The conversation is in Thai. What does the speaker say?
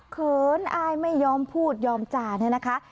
เขินอายไม่ยอมพูดยอมจาเนี่ยนะคะ